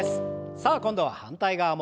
さあ今度は反対側も。